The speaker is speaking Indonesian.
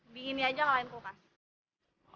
dingin aja ngalahin kumah